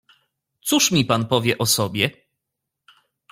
"Cóż mi pan powie o sobie?"